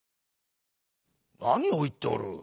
「なにをいっておる。